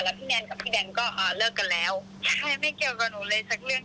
แล้วพี่แนนกับพี่แดนก็อ่าเลิกกันแล้วใช่ไม่เกี่ยวกับหนูเลยสักเรื่อง